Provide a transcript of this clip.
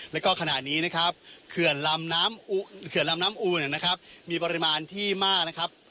แล้วก็ขณะนี้นะครับเขื่อนลำน้ำเขื่อนลำน้ำอูนนะครับมีปริมาณที่มากนะครับ